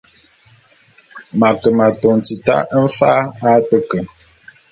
M’ ake m’atôn tita mfa’a a te ke.